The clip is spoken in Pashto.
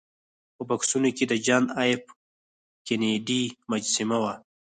په بکسونو کې د جان ایف کینیډي مجسمه وه